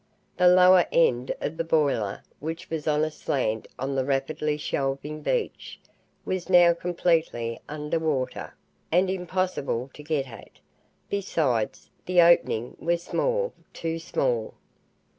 The lower end of the boiler, which was on a slant on the rapidly shelving beach, was now completely under water and impossible to get at. Besides, the opening was small, too small.